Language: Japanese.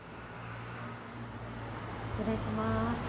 失礼します。